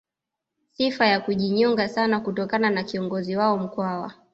Sifa ya kujinyonga sana kutokana na kiongozi wao Mkwawa